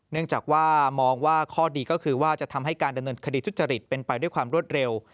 เนื่องจากว่ามองว่าข้อดีก็คือว่าจะทำให้การดำเนินคดีทุจริตเป็นไปด้วยความรวดเร็ว